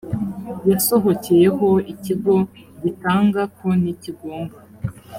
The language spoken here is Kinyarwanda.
yasohokeyeho ikigo gitanga konti kigomba